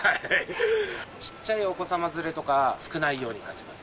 ちっちゃいお子様連れとか、少ないように感じます。